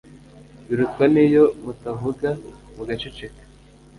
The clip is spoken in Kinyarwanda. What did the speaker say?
Birutwa n'iyo mutavuga mugaceceka